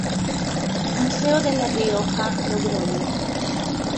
Museo de la Rioja, Logroño.